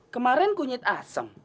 kemarin kunyit asem